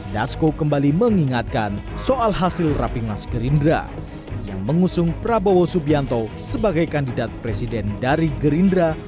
dasko kembali mengingatkan soal hasil rapi mas gerindra yang mengusung prabowo subianto sebagai kandidat presiden dari gerindra